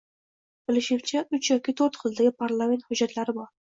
Bilishimcha, uch yoki to'rt xildagi parlament hujjatlari bor